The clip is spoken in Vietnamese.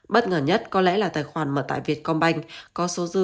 bất ngờ nhất có lẽ là tài khoản mở tại vietcombank